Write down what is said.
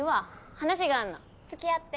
話があるの。付き合って。